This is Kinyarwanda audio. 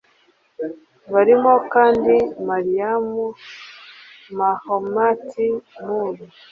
Barimo kandi Mariam Mahamat Nour